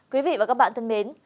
quý vị và các bạn thân mến